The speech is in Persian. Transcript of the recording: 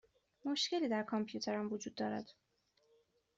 مشکلی در کامپیوترم وجود دارد.